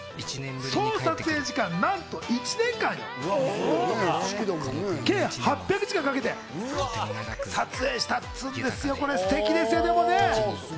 総撮影時間なんと１年間、計８００時間かけて撮影したっつうんですよ、これステキですよね。